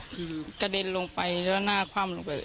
คือกระเด็นลงไปแล้วหน้าคว่ำลงไป